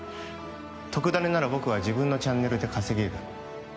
特ダネなら僕は自分のチャンネルで稼げる